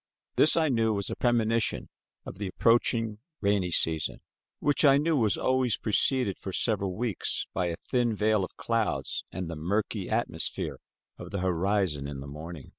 This I knew, was a premonition of the approaching rainy season, which I knew was always preceded for several weeks by a thin veil of clouds and the murky atmosphere of the horizon in the morning.